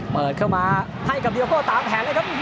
เปิดเข้ามาให้กับเดียโก้ตามแผนเลยครับ